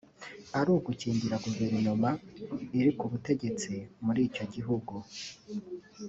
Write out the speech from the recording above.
ari ugukingira guverinoma iri ku butegetsi mur’icyo gihugu gihugu